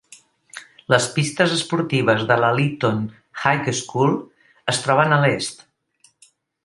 Les pistes esportives de la Leeton High School es troben a l'est.